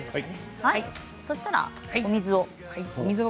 そうしたら、お水を。